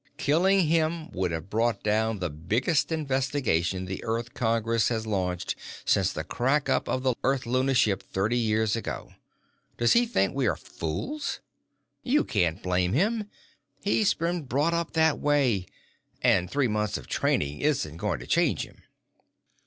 "Killing him would have brought down the biggest investigation the Earth Congress has launched since the crack up of the Earth Luna ship thirty years ago. Does he think we are fools?" "You can't blame him. He's been brought up that way, and three months of training isn't going to change him."